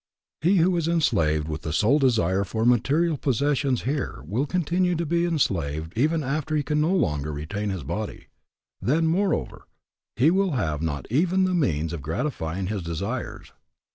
He who is enslaved with the sole desire for material possessions here will continue to be enslaved even after he can no longer retain his body. Then, moreover, he will have not even the means of gratifying his desires.